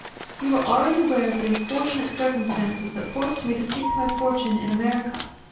"You are already aware of the unfortunate circumstances that forced me to seek my fortune in America.